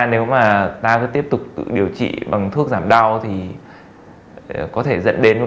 nếu mà ta cứ tiếp tục tự điều trị bằng thuốc giảm đau thì có thể dẫn đến một